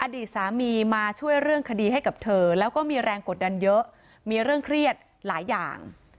อดีตสามีมาช่วยเรื่องคดีให้กับเธอแล้วก็มีแรงกดดันเยอะมีเรื่องเครียดหลายอย่าง